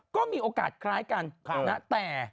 ก็มีโอกาสคล้ายกัน